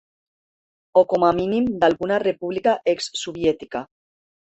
O com a mínim d'alguna república exsoviètica.